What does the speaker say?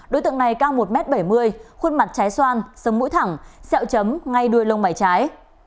đối tượng này cao một m bảy mươi khuôn mặt trái xoan sống mũi thẳng chấm ngay đuôi lông bảy trái